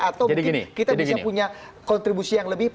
atau mungkin kita bisa punya kontribusi yang lebih